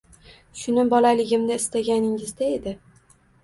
Shuni bolaligimda istaganingizda edi